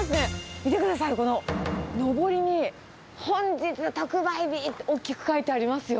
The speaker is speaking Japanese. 見てください、こののぼりに、本日特売日って大きく書いてありますよ。